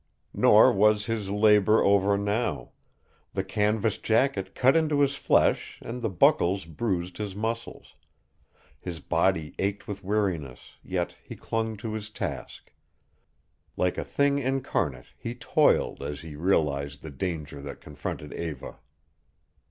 Nor was his labor over now. The canvas jacket cut into his flesh and the buckles bruised his muscles. His body ached with weariness, yet he clung to his task. Like a thing incarnate he toiled as he realized the danger that confronted Eva.